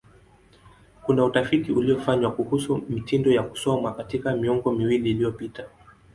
Kuna utafiti uliofanywa kuhusu mitindo ya kusoma katika miongo miwili iliyopita.